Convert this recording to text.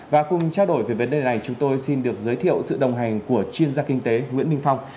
và cùng trao đổi về vấn đề này chúng tôi xin được giới thiệu sự đồng hành của chuyên gia kinh tế nguyễn minh phong